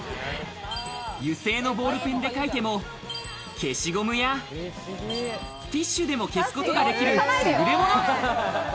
油性のボールペンで書いても消しゴムやティッシュでも消すことができる優れもの。